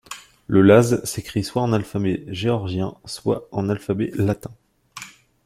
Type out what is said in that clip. Le laze s'écrit soit en alphabet géorgien, soit en alphabet latin.